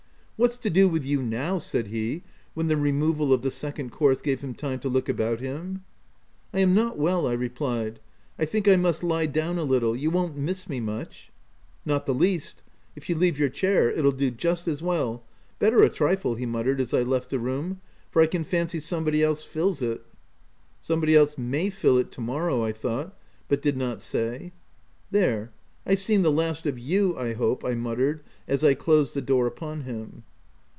" What's to do with you now ?" said he, when the removal of the second course gave him time to look about him. " I am not well/' I replied : u I think I must lie down a little — you won't miss me much V " Not the least ; if you leave your chair, it'll do just as well — better a trifle/' he muttered as I left the room, " for I can fancy somebody else fills it." '* Somebody else may fill it to morrow/' I thought — but did not say. " There ! I've seen the last of you, I hope," I muttered as I closed the door upon him.